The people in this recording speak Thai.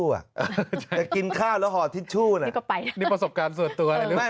แต่กินข้าวแล้วหอดทิชชู่นี่ประสบการณ์ส่วนตัว